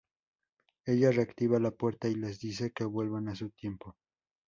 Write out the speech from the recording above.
Ella reactiva la puerta y les dice que vuelvan a su tiempo.